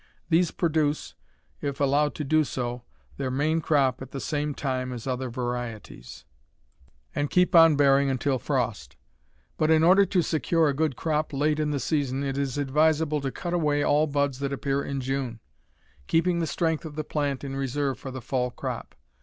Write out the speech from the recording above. These produce, if allowed to do so, their main crop at the same time as other varieties, and keep on bearing until frost. But in order to secure a good crop late in the season it is advisable to cut away all buds that appear in June, keeping the strength of the plant in reserve for the fall crop.